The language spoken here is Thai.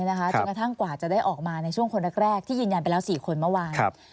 จนกระทั่งกว่าจะได้ออกมาในช่วงคนแรกที่ยืนยันไปแล้ว๔คนเมื่อวาน